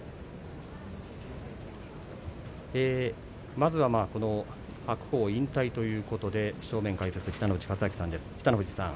まずは白鵬引退ということで正面解説北の富士勝昭さんです。